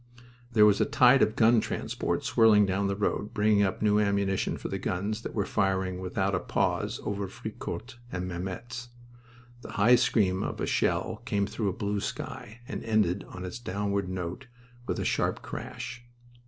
There was a tide of gun transport swirling down the road, bringing up new ammunition for the guns that were firing without a pause over Fricourt and Mametz. The high scream of a shell came through a blue sky and ended on its downward note with a sharp crash.